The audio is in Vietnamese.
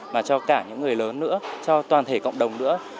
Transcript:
và cho cả những người lớn nữa cho toàn thể cộng đồng nữa